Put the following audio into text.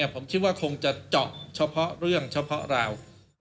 ผมคิดว่าคงจะเจาะเฉพาะเรื่องเฉพาะเรา